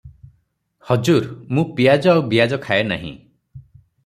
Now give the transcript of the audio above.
ହଜୁର ମୁଁ ପିଆଜ ଆଉ ବିଆଜ ଖାଏ ନାହିଁ ।